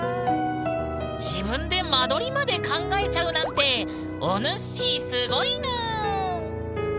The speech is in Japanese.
自分で間取りまで考えちゃうなんておぬっしすごいぬん！